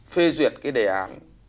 phê duyệt cái đề án